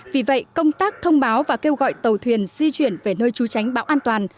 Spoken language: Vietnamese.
vì vậy công tác thông báo và kêu gọi tàu thuyền di chuyển về nơi trú tránh bão an toàn